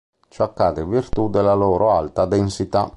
Ciò accade in virtù della loro alta densità.